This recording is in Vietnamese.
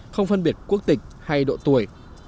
không phân biệt quốc tịch hay độ tuổi